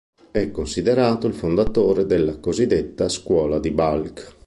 È considerato il fondatore della cosiddetta "Scuola di Balkh".